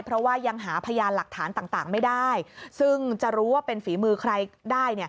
เพราะว่ายังหาพยานหลักฐานต่างไม่ได้